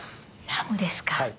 ラムですか。